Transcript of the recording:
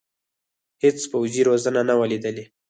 هېڅ پوځي روزنه نه وه لیدلې.